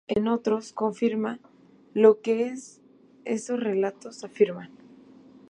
En otros, confirma lo que esos relatos afirman.